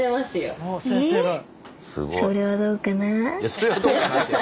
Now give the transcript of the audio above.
「それはどうかな？」